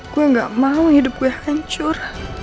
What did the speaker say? gue gak mau hidup gue hancur